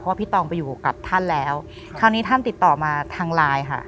ว่าพี่ตองไปอยู่กับท่านแล้วคราวนี้ท่านติดต่อมาทางไลน์ค่ะ